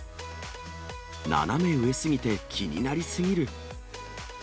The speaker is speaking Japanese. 斜め上すぎて気になり過ぎる。